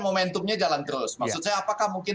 momentumnya jalan terus maksud saya apakah mungkin